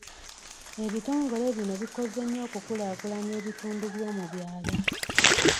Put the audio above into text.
Ebitongole bino bikoze nnyo okukulaakulanya ebitundu by'omu byalo.